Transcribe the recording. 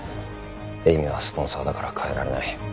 詠美はスポンサーだから代えられない。